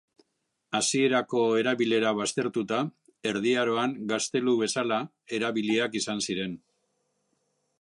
Hasierako erabilera baztertuta, Erdi Aroan gaztelu bezala erabiliak izan ziren.